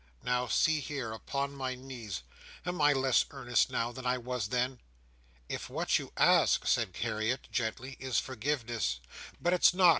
Now, see me here, upon my knees. Am I less earnest now, than I was then?" "If what you ask," said Harriet, gently, "is forgiveness—" "But it's not!"